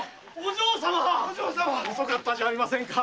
遅かったじゃありませんか。